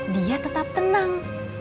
dia tetap tenang